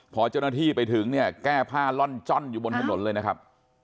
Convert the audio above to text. พอเจ้าหน้าที่ไปถึงเนี่ยแก้ผ้าล่อนจ้อนอยู่บนถนนเลยนะครับ